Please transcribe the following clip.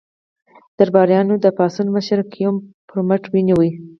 درباریانو د پاڅون مشر ګیوم برمته ونیو.